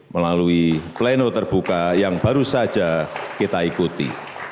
melalui pleno terbuka yang baru saja kita ikuti